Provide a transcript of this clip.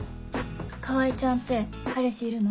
川合ちゃんって彼氏いるの？